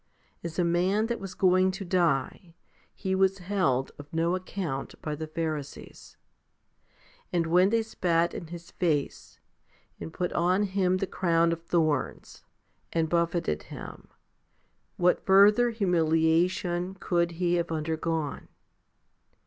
As a man that was going to die, He was held of no account by the Pharisees. And when they spat in His face, and put on Him the crown of thorns, and buffeted Him, what further humiliation could He have undergone